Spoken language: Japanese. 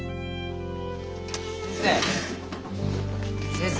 先生！